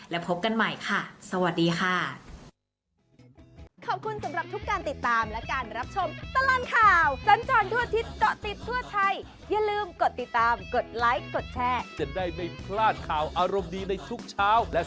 และพบกันใหม่ค่ะสวัสดีค่ะ